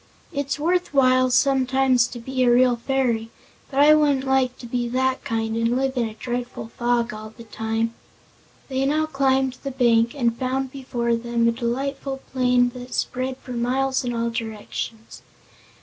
It's worth while, sometimes, to be a real fairy. But I wouldn't like to be that kind, and live in a dreadful fog all the time." They now climbed the bank and found before them a delightful plain that spread for miles in all directions.